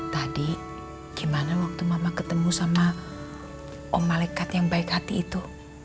tadi gimana waktu mama ketemu sama om malekat yang baik hati itu